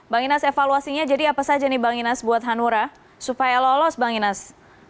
bang inas evaluasinya jadi apa saja nih bang inas buat hanura supaya lolos bang inas